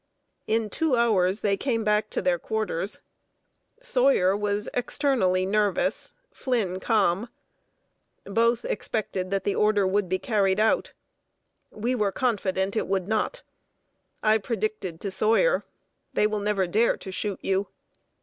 In two hours they came back to their quarters. Sawyer was externally nervous; Flynn calm. Both expected that the order would be carried out. We were confident that it would not. I predicted to Sawyer "They will never dare to shoot you!"